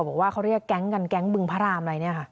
บอกว่าเขาเรียกแก๊งกันแก๊งบึงพระรามอะไรเนี่ยค่ะ